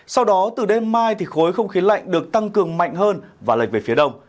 sau đó từ đêm mai thì khối không khí lạnh được tăng cường mạnh hơn và lệch về phía đông